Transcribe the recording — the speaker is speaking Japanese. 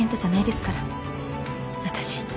私。